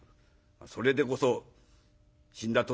それでこそ死んだ父